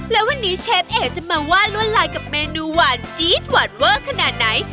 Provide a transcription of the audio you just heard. และวันนี้เชฟเอ๋จะมาว่าลวดลายกับเมนูหวานจี๊ดหวานเวอร์ขนาดไหน